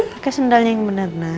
pakai sendalnya yang bener mak